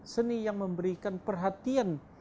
seni yang memberikan perhatian